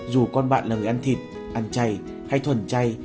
dù con bạn là người ăn thịt ăn chay hay thuần chay